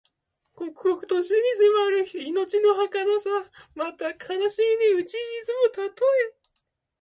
刻々と死に迫る人の命のはかなさ。また、悲しみにうち沈むたとえ。